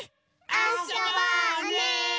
あそぼうね！